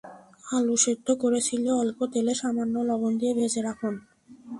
আলু সেদ্ধ করে ছিলে অল্প তেলে সামান্য লবণ দিয়ে ভেজে রাখুন।